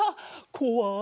こわい